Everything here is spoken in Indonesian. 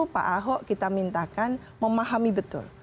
pak ahok kita mintakan memahami betul